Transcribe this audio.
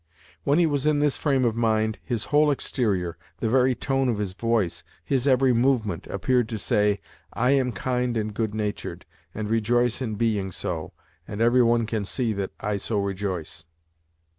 When he was in this frame of mind his whole exterior, the very tone of his voice, his every movement, appeared to say: "I am kind and good natured, and rejoice in being so, and every one can see that I so rejoice."